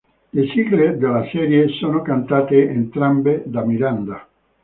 Le sigle della serie sono cantate entrambe da Miranda!